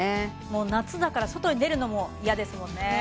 もう夏だから外に出るのも嫌ですもんね